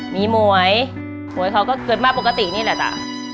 มีหมวยหมวยเขาก็เกิดมาปกตินี่แหละจ้ะ